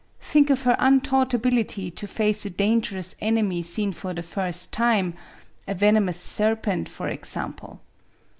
Think of her untaught ability to face a dangerous enemy seen for the first time, — a venomous serpent, for example!